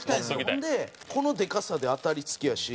ほんでこのでかさで当たり付きやし。